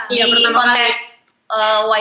iya pertama kali